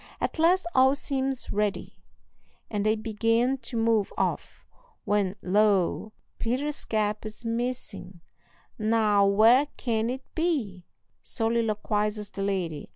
At last all seems ready, and they begin to move off, when lo! Peter's cap is missing. "Now, where can it be?" soliloquizes the lady.